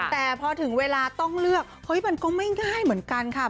แต่พอถึงเวลาต้องเลือกเฮ้ยมันก็ไม่ง่ายเหมือนกันค่ะ